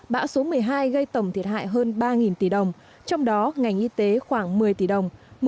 bão số một mươi hai gây tổng thiệt hại hơn ba tỷ đồng trong đó ngành y tế khoảng một mươi tỷ đồng